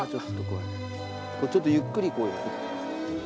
これちょっとゆっくり行こうよ。